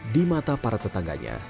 di mata para tetangganya